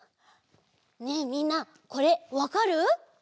ねえみんなこれわかる？